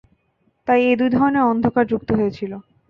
তাই এই দুই ধরনের অন্ধকার যুক্ত হয়েছিল।